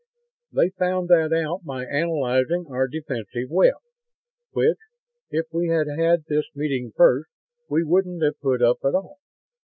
They found that out by analyzing our defensive web which, if we had had this meeting first, we wouldn't have put up at all.